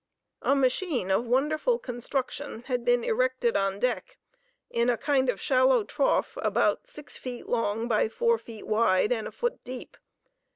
A machine of wonderful construction had been erected on deck in a kind of shallow trough about six feet long by four feet wide and a foot deep.